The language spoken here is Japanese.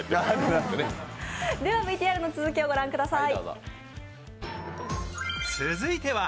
ＶＴＲの続きをご覧ください。